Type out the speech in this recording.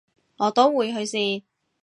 我都會去試